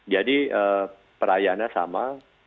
jadi perayannya sama